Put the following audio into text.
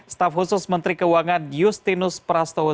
staf khusus menteri keuangan justinus prastowo